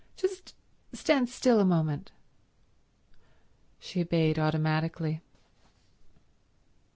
"Just stand still a moment—" She obeyed automatically.